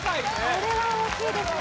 これは大きいですね